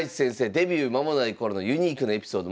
デビュー間もない頃のユニークなエピソード